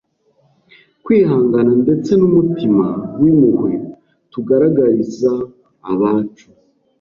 kwihangana ndetse n’umutima w’impuhwe tugaragariza abacu.